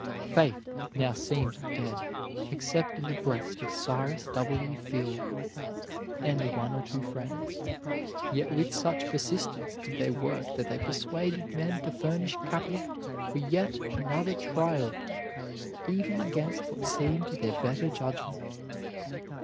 Faith now seemed dead except in the breast of Cyrus W. Field, and one or two friends, yet with such persistence did they work that they persuaded men to furnish capital for yet another trial even against what seemed their better judgment.